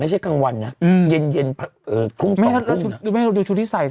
ไม่ให้เราดูชุดที่ใส่